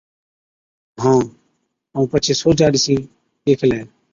هان، ائُون پڇي سُورجا ڏِسِين ڏيکلَي،